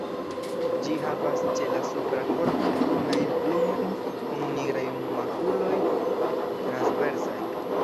Ĝi havas ĉe la supra korpo brunajn plumojn kun nigraj makuloj transversaj.